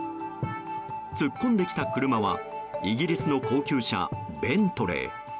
突っ込んできた車はイギリスの高級車、ベントレー。